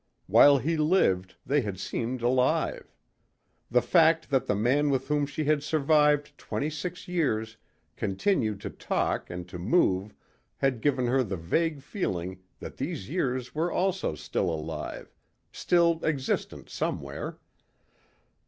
While he lived they had seemed alive. The fact that the man with whom she had survived twenty six years continued to talk and to move had given her the vague feeling that these years were also still alive, still existent somewhere.